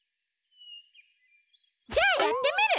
じゃあやってみる！